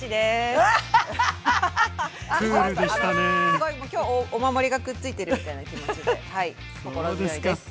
すごいもう今日お守りがくっついてるみたいな気持ちで心強いです。